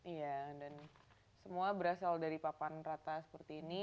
iya dan semua berasal dari papan rata seperti ini